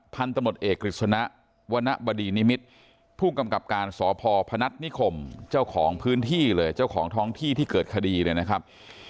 พันธมตเอกกฤษณะวรรณบดีนิมิตรผู้กำกับการสพพนัฐนิคมเจ้าของพื้นที่เลยเจ้าของท้องที่ที่เกิดคดีเนี่ยนะครับ